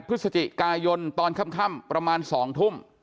พฤศจิกายนตอนค่ำประมาณ๒ทุ่ม